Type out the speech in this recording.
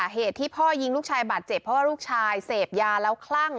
เหตุที่พ่อยิงลูกชายบาดเจ็บเพราะว่าลูกชายเสพยาแล้วคลั่ง